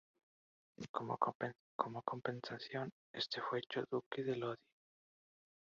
Como compensación, este fue hecho Duque de Lodi.